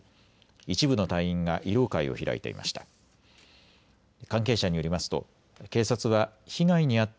一部の隊員が慰労会を開いていました。